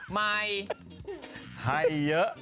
ใหม่ให้เยอะ